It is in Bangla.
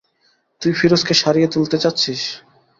তুই ফিরোজকে সারিয়ে তুলতে চাচ্ছিস।